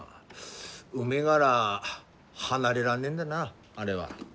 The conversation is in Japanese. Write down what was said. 海がら離れらんねえんだなあれは。